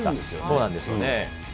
そうなんですよね。